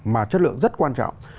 mà chất lượng rất quan trọng